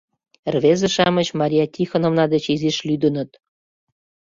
Рвезе-шамыч Мария Тихоновна деч изиш лӱдыныт.